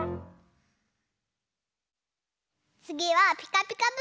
つぎは「ピカピカブ！」。